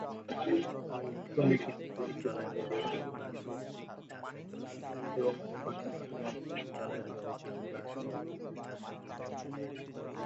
অর্থনৈতিকভাবে এই জেলার জনসংখ্যা কৃষির উপর নির্ভরশীল এবং এর পাশাপাশি অন্যান্য ছোট খাটো কিছু ব্যবসা জড়িত রয়েছে।